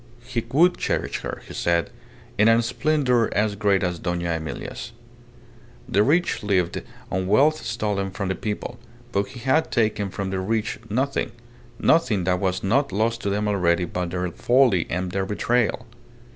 He would cherish her, he said, in a splendour as great as Dona Emilia's. The rich lived on wealth stolen from the people, but he had taken from the rich nothing nothing that was not lost to them already by their folly and their betrayal.